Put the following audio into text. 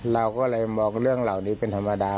เราก็เลยมองเรื่องเหล่านี้เป็นธรรมดา